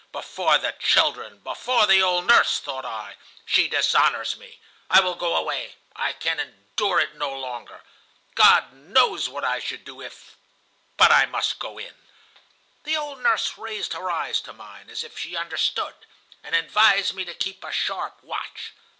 'Before the children, before the old nurse,' thought I, 'she dishonors me. I will go away. I can endure it no longer. God knows what I should do if. ... But I must go in.' "The old nurse raised her eyes to mine, as if she understood, and advised me to keep a sharp watch.